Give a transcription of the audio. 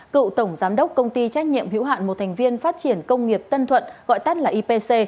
cựu tổng giám đốc công ty trách nhiệm hữu hạn một thành viên phát triển công nghiệp tân thuận gọi tắt là ipc